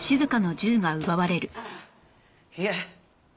いえ